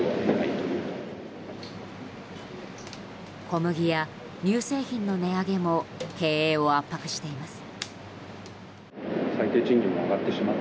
小麦や乳製品の値上げも経営を圧迫しています。